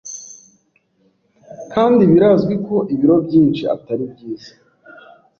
kandi birazwi ko ibiro byinshi Atari byiza